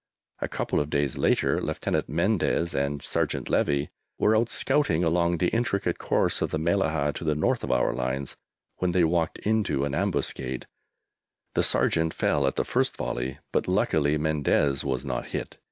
A couple of days later Lieutenant Mendes and Sergeant Levy were out scouting along the intricate course of the Mellahah, to the north of our lines, when they walked into an ambuscade; the Sergeant fell at the first volley, but luckily Mendes was not hit.